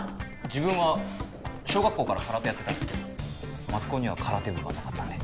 自分は小学校から空手やってたんですけど松高には空手部がなかったんで。